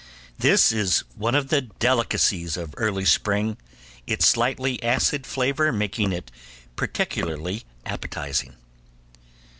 This is one of the delicacies of the early spring, its slightly acid flavor making it particularly appetizing.